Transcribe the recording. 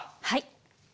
はい。